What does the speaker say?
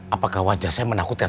apakah wajah saya menakutkan